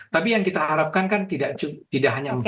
tapi yang kita harapkan kan tidak hanya